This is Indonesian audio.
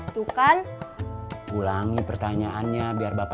tuh kan ulangi pertanyaannya biar bapak